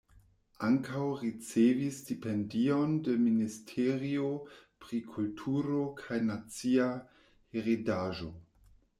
Ankaŭ ricevis stipendion de Ministerio pri Kulturo kaj Nacia Heredaĵo.